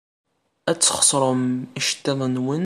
Ad tesxeṣrem iceḍḍiḍen-nwen.